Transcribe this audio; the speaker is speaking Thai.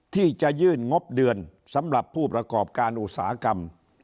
ที่จะยื่นงบเดือนสำหรับผู้ประกอบการอุตสาหกรรม